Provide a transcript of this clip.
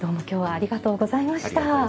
ありがとうございます。